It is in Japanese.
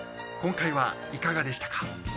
今回はいかがでしたか？